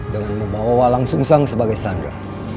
dengan membawa walang sungsang sebagai sandra